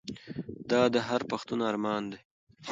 دا د هر پښتون ارمان دی.